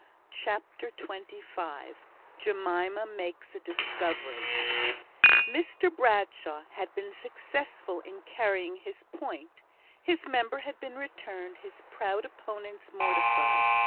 CHAPTER XXV Jemima Makes a Discovery Mr Bradshaw had been successful in carrying his point. His member had been returned; his proud opponents mortified.